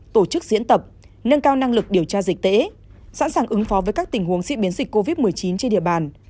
tổ chức diễn tập nâng cao năng lực điều tra dịch tễ sẵn sàng ứng phó với các tình huống diễn biến dịch covid một mươi chín trên địa bàn